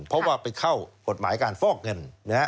เพราะว่าไปเข้ากฎหมายการฟอกเงิน